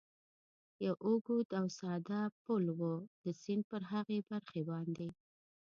یو اوږد او ساده پل و، د سیند پر هغې برخې باندې.